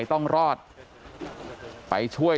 สวัสดีครับคุณผู้ชาย